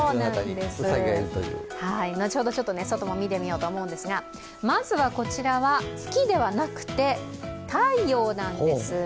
後ほど外も見てみようと思うんですが、まずは、こちらは月ではなくて太陽なんです。